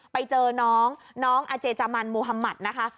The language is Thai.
ไปเจอน้องน้องอาเจจามันมุธมัตินะคะ